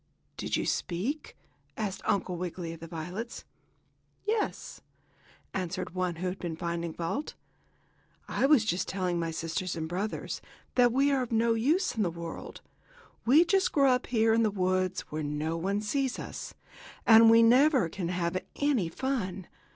"Did you speak?" asked Uncle Wiggily of the violets. "Yes," answered one who had been finding fault. "I was telling my sisters and brothers that we are of no use in the world. We just grow up here in the woods, where no one sees us, and we never can have any fun.